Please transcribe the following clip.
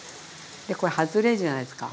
でこれ外れるじゃないですか。